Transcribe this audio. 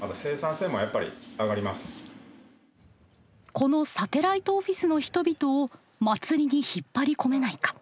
このサテライトオフィスの人々を祭りに引っ張り込めないか。